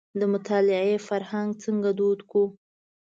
د مطالعې فرهنګ څنګه دود کړو.